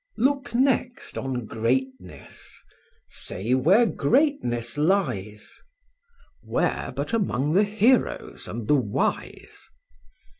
Look next on greatness; say where greatness lies? "Where, but among the heroes and the wise?"